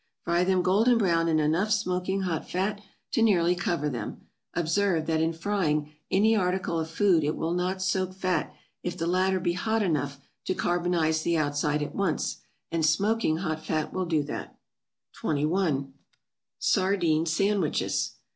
Fry them golden brown in enough smoking hot fat to nearly cover them; observe that in frying any article of food it will not soak fat if the latter be hot enough to carbonize the outside at once, and smoking hot fat will do that. 21. =Sardine Sandwiches.